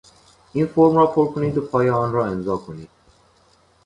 این فرم را پر کنید و پای آن را امضا کنید.